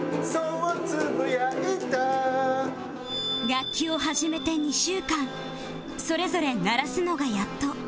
楽器を始めて２週間それぞれ鳴らすのがやっと